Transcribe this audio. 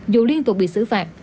dù liên tục bị xử phạt